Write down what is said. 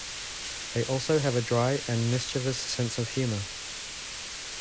They also have a dry and mischievous sense of humour.